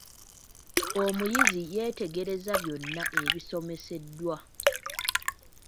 Omuyizi yeetegerezza byonna ebimusomeseddwa.